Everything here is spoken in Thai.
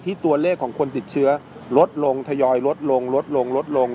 ตัวเลขของคนติดเชื้อลดลงทยอยลดลงลดลงลดลง